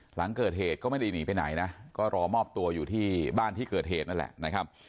หลังเกิดเหตุก็ไม่ได้หนีไปไหนนะก็รอมอบตัวอยู่ที่บ้านที่เกิดเหตุนั่นแหละนะครับ